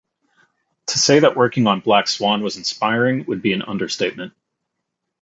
To say that working on Black Swan was inspiring would be an understatement.